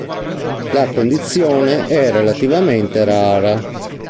La condizione è relativamente rara.